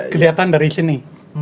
kelihatan dari sini